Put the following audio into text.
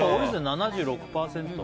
７６％。